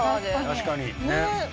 確かにねっ。